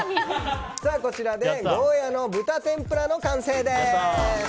こちらでゴーヤー豚天ぷらの完成です。